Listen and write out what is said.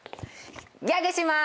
ギャグしまーす。